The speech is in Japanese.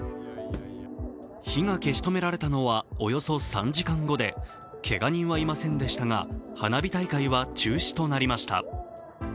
火が消し止められたのはおよそ３時間後でけが人はいませんでしたが花火大会は中止となりました。